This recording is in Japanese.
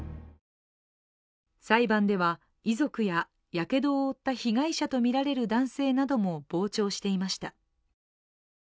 裁判では遺族ややけどを負った被害者とみられる男性なども傍聴していました